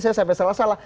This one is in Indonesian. saya sampai salah salah